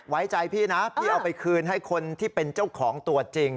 ไว้ใจพี่นะพี่เอาไปคืนให้คนที่เป็นเจ้าของตัวจริง